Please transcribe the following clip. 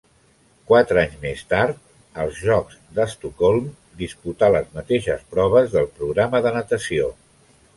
Quatre anys més tard, als Jocs d'Estocolm, disputà les mateixes proves del programa de natació.